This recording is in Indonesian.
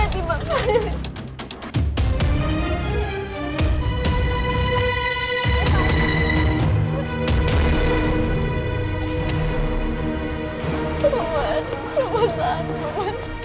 tuhan maafkan aku